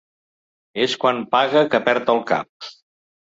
És quan paga que perd el cap.